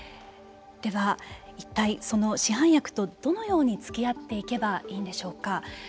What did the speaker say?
では、一体その市販薬とどのように、つきあっていけばいいんでしょうか。